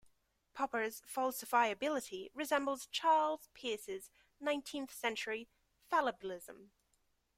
Popper's falsifiability resembles Charles Peirce's nineteenth century fallibilism.